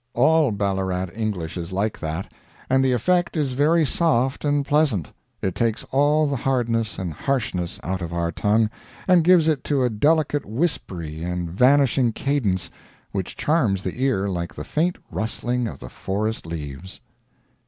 All Ballarat English is like that, and the effect is very soft and pleasant; it takes all the hardness and harshness out of our tongue and gives to it a delicate whispery and vanishing cadence which charms the ear like the faint rustling of the forest leaves.